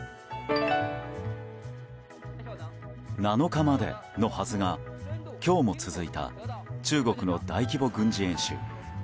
７日までのはずが今日も続いた中国の大規模軍事演習。